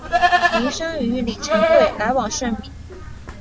明升与李成桂来往甚密。